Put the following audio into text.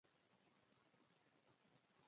هغه نور هوټلونه ټول کال خلاص پاتېږي.